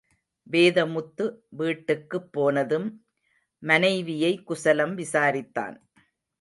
வேதமுத்து, வீட்டுக்கு போனதும், மனைவியை குசலம் விசாரித்தான்.